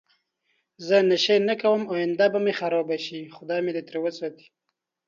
زه نشی نه کوم اینده به می خرابه شی خدای می دی تری وساتی